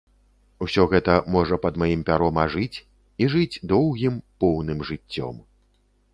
Усё гэта можа пад маім пяром ажыць і жыць доўгім, поўным жыццём.